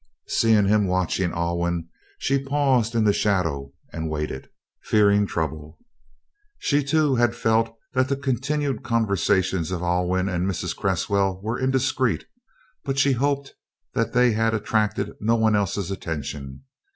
Seeing him watching Alwyn she paused in the shadow and waited, fearing trouble. She, too, had felt that the continued conversations of Alwyn and Mrs. Cresswell were indiscreet, but she hoped that they had attracted no one else's attention.